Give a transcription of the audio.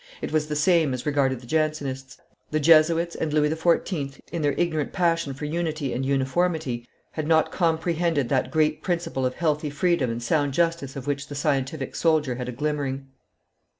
It was the same as regarded the Jansenists. The Jesuits and Louis XIV., in their ignorant passion, for unity and uniformity, had not comprehended that great principle of healthy freedom and sound justice of which the scientific soldier had a glimmering.